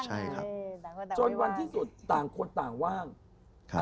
จนวันที่สุดต่างคนต่างว่าง